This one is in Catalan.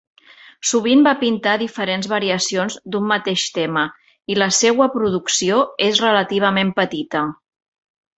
Sovint va pintar diferents variacions d'un mateix tema, i la seua producció és relativament petita.